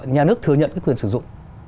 nhà nước thừa nhận quyền sử dụng